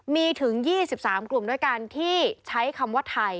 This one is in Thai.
มีถึง๒๓กลุ่มด้วยกันที่ใช้คำว่าไทย